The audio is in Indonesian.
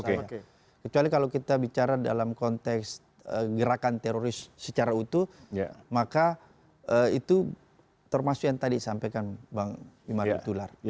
kecuali kalau kita bicara dalam konteks gerakan teroris secara utuh maka itu termasuk yang tadi sampaikan bang imar tular